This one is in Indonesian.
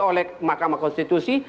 oleh mahkamah konstitusi